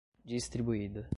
Distribuída